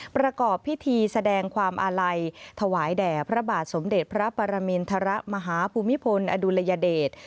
ประกอบพิธีแสดงความอาลัยถวายแด่พระบาทสมเด็จพระปรมินทรมาฮภูมิพลอดุลยเดช